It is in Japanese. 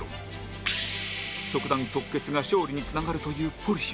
即断即決が勝利につながるというポリシー